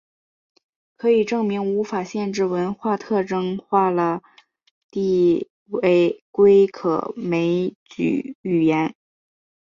可以证明无限制文法特征化了递归可枚举语言。